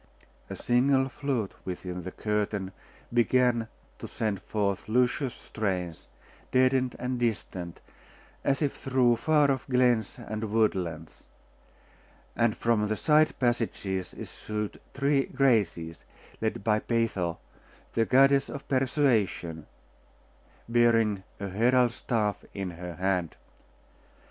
A single flute within the curtain began to send forth luscious strains, deadened and distant, as if through far off glens and woodlands; and from the side passages issued three Graces, led by Peitho, the goddess of persuasion, bearing a herald's staff in her hand.